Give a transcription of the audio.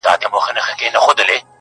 • زما غزل تې ستا له حُسنه اِلهام راوړ..